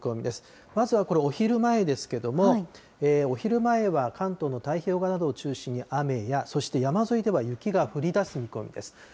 まずはこれ、お昼前ですけども、お昼前は関東の太平洋側などを中心に雨や、そして山沿いでは雪が降りだす見込みです。